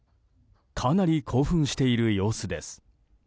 かなり興奮している様子です。